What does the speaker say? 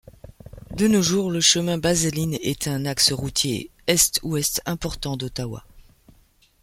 De nos jours, le chemin Baseline est un axe routier est–ouest important d'Ottawa.